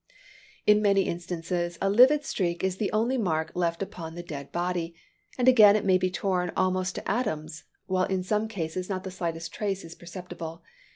In many instances a livid streak is the only mark left upon the dead body; and again it may be torn almost to atoms; while in some cases not the slightest trace is perceptible.